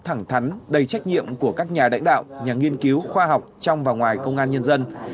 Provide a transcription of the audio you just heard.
thẳng thắn đầy trách nhiệm của các nhà lãnh đạo nhà nghiên cứu khoa học trong và ngoài công an nhân dân